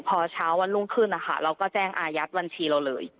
พอเช้าวันรุ่งขึ้นนะคะเราก็แจ้งอายัดบัญชีเราเลย